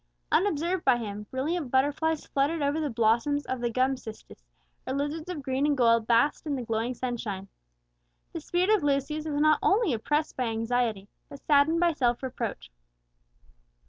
Unobserved by him, brilliant butterflies fluttered over the blossoms of the gum cistus, or lizards of green and gold basked in the glowing sunshine. The spirit of Lucius was not only oppressed by anxiety, but saddened by self reproach.